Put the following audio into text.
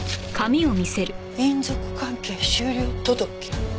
「姻族関係終了届」